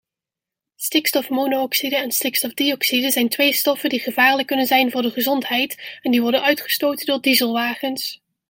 Stikstofmonoxide en stikstofdioxide zijn twee stoffen die gevaarlijk kunnen zijn voor de gezondheid en die worden uitgestoten door dieselwagens.